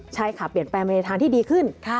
ใช่ค่ะเปลี่ยนแปลงไปในทางที่ดีขึ้น